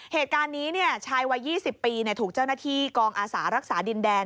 เหตุการณ์นี้ชายวัย๒๐ปีถูกเจ้าหน้าที่กองอาสารักษาดินแดน